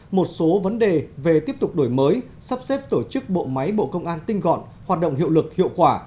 một số vấn đề về tiếp tục đổi mới sắp xếp tổ chức bộ máy bộ công an tinh gọn hoạt động hiệu lực hiệu quả